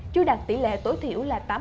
chưa đạt tỷ lệ tối thiểu là tám mươi